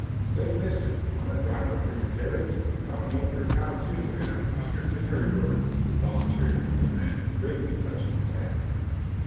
"Say, mister, want a driver for your carriage? I'll milk your cow too and I'll feed your canary birds," volunteered one of the men, gravely touching his hat.